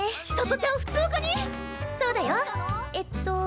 千砂都ちゃん普通科に⁉そうだよえっと。